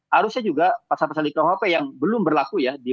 harusnya juga pasal pasal di kuhp yang belum berlaku ya